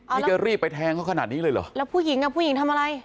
นี่จะรีบไปแทงเขาขนาดนี้เลยเหรอแล้วผู้หญิงอ่ะผู้หญิงทำอะไร